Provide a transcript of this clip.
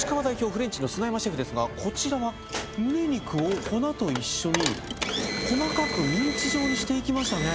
フレンチの砂山シェフですがこちらはむね肉を粉と一緒に細かくミンチ状にしていきましたね